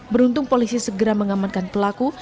beruntung polisi segera mengamankan pelaku